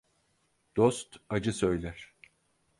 Dost acı söyler.